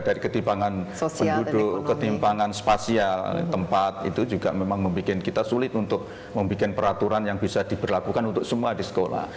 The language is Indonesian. dari ketimpangan penduduk ketimpangan spasial tempat itu juga memang membuat kita sulit untuk membuat peraturan yang bisa diberlakukan untuk semua di sekolah